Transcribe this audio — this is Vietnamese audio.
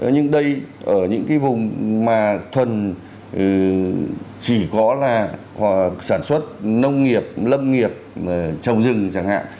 nhưng đây ở những cái vùng mà thuần chỉ có là sản xuất nông nghiệp lâm nghiệp trồng rừng chẳng hạn